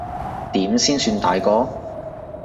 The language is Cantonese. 點先算大個？